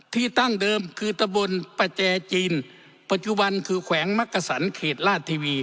ที่ตั้งเดิมคือตะบนประแจจีนปัจจุบันคือแขวงมักกษันเขตลาดทีวี